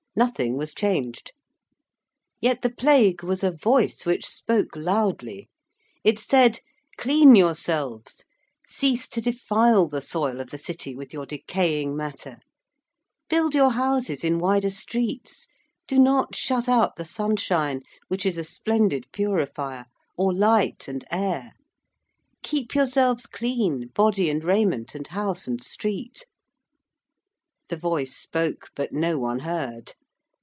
Nothing was changed. Yet the Plague was a voice which spoke loudly. It said 'Clean yourselves: cease to defile the soil of the City with your decaying matter: build your houses in wider streets: do not shut out the sunshine which is a splendid purifier or light and air. Keep yourselves clean body and raiment, and house and street.' The voice spoke, but no one heard.